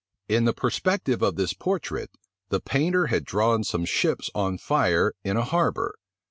In the perspective of this portrait, the painter had drawn some ships on fire in a harbor.